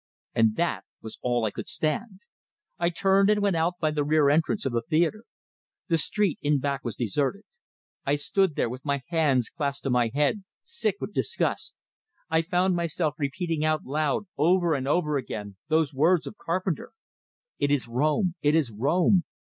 And that was all I could stand I turned and went out by the rear entrance of the theatre. The street in back was deserted; I stood there, with my hands clasped to my head, sick with disgust; I found myself repeating out loud, over and over again, those words of Carpenter: "It is Rome! It is Rome!